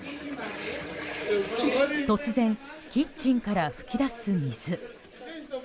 突然キッチンから噴き出す水。